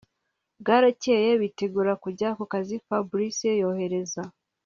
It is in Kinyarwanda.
Bwarakeye bitegura kujya kukazi Fabric yoherereza